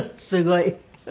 すごい。